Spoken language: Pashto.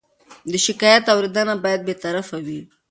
د شکایت اورېدنه باید بېطرفه وي.